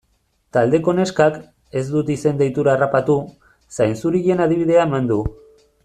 Taldeko neskak, ez dut izen-deitura harrapatu, zainzurien adibidea eman du.